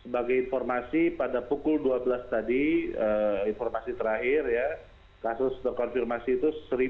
sebagai informasi pada pukul dua belas tadi informasi terakhir ya kasus terkonfirmasi itu satu satu ratus empat puluh enam